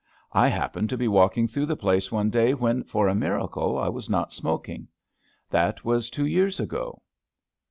I happened to be walking through the place one day when, for a miracle, I was not smoking. That was two years ago."